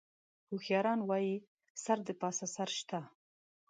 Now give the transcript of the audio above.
هوښیاران وایي: سر د پاسه سر شته.